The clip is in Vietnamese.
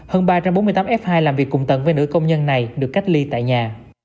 hơn ba trăm bốn mươi tám f hai làm việc cùng tận với nữ công nhân này được cách ly tại nhà